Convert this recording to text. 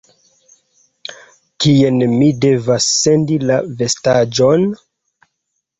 Kien mi devas sendi la vestaĵon?